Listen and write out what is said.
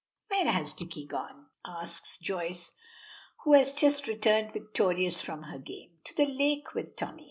"Where has Dicky gone?" asks Joyce, who has just returned victorious from her game. "To the lake with Tommy.